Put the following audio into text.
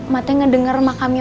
ma teh ngedenger makamnya